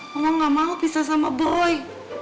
mama gak mau pisah sama boy